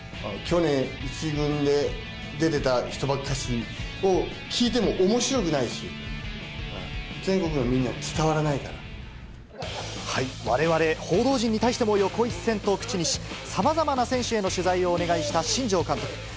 去年１軍で出てた人ばっかしを聞いてもおもしろくないし、全国のわれわれ、報道陣に対しても横一線と口にし、さまざまな選手への取材をお願いした新庄監督。